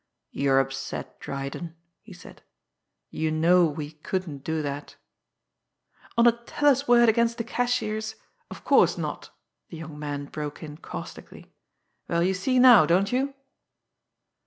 "You're upset, Dryden," he said. "You know we couldn't do that " "On a teller's word against the cashier's of course not!" the young man broke in caustically. "Well, you see now, don't you?"